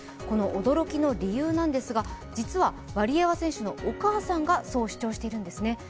この驚きの理由なんですが、実はワリエワ選手のお母さんがそう主張しているんですね。